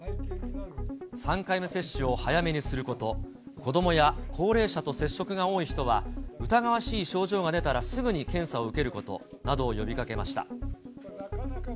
３回目接種を早めにすること、子どもや高齢者と接触が多い人は、疑わしい症状が出たら、すぐに検査を受けることなどを呼びかけました。